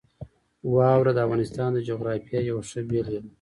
واوره د افغانستان د جغرافیې یوه ښه بېلګه ده.